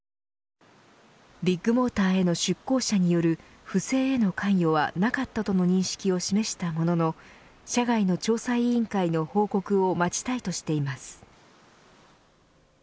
ビッグモーターへの出向者による不正への関与はなかったとの認識を示したものの社外の調査委員会の報告を待ちたいとしています。